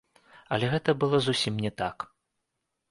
Але гэта было зусім не так.